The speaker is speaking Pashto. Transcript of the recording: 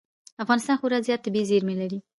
افغانستان خورا زیات طبعي زېرمې لري.